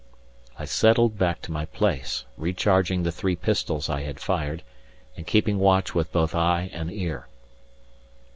I settled back to my place, re charging the three pistols I had fired, and keeping watch with both eye and ear.